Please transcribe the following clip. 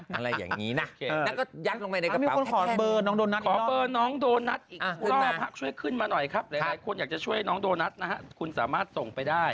ช่วยน้องโดนัสนะครับคุณสามารถส่งไปได้